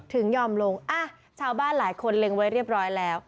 ถึงยอมลงอ่ะชาวบ้านหลายคนเล็งไว้เรียบร้อยแล้ว